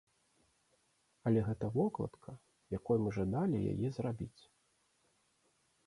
Але гэта вокладка, якой мы жадалі яе зрабіць.